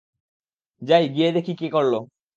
যাই গিয়ে দেখি কে করলো।